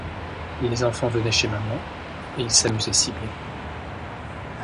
Les enfants venaient chez maman, et ils s’amusaient si bien !